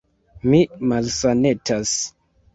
Mi malsanetas.